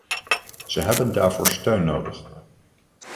Ze hebben daarvoor steun nodig.